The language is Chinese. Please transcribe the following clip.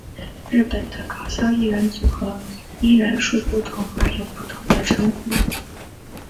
日本的搞笑艺人组合因人数不同而有不同的称呼。